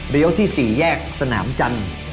ที่๔แยกสนามจันทร์